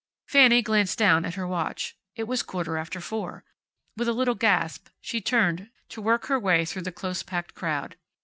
Fanny glanced down at her watch. It was quarter after four. With a little gasp she turned to work her way through the close packed crowd.